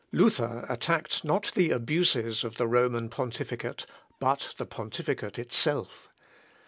Luther attacked not the abuses of the Roman pontificate, but the pontificate itself.